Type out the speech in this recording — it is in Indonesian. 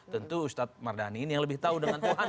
tentu ustadz mardani ini yang lebih tahu dengan tuhan